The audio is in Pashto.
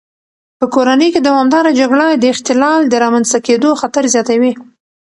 په کورنۍ کې دوامداره جګړه د اختلال د رامنځته کېدو خطر زیاتوي.